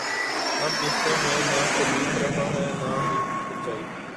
اب رشتوں میں نہ خلوص رہا ہے اور نہ ہی سچائی